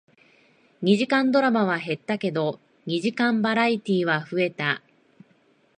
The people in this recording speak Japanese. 二時間ドラマは減ったけど、二時間バラエティーは増えた